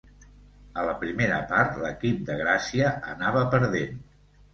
A la primera part, l'equip de Gràcia anava perdent.